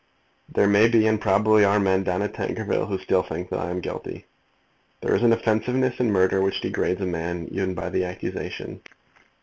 There may be and probably are men down at Tankerville who still think that I am guilty. There is an offensiveness in murder which degrades a man even by the accusation.